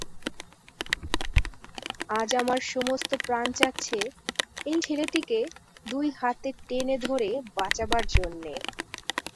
আজ আমার সমস্ত প্রাণ চাচ্ছে এই ছেলেটিকে দুই হাতে টেনে ধরে বাঁচাবার জন্যে।